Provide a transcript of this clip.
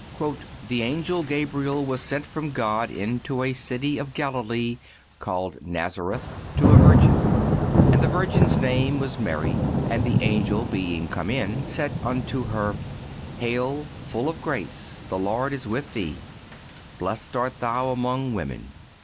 "The Angel Gabriel was sent from God into a city of Galilee called Nazareth to a virgin ... and the virgin's name was Mary. And the Angel being come in said unto her: Hail, full of grace, the Lord is with thee; blessed art thou among women.